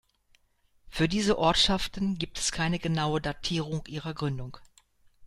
Für diese Ortschaften gibt es keine genaue Datierung ihrer Gründung.